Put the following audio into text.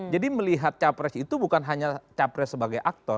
jadi melihat capres itu bukan hanya capres sebagai aktor